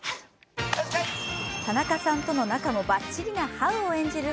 田中さんとの仲もばっちりなハウを演じる